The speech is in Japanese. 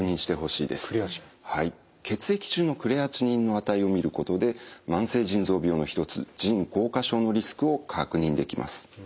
血液中のクレアチニンの値を見ることで慢性腎臓病の一つ腎硬化症ですか。